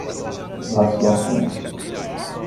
vacilações